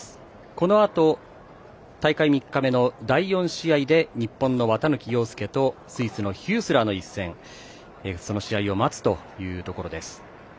このあと大会３日目の第４試合で日本の綿貫陽介とスイスのヒュースラーの一戦その試合を待つというところです。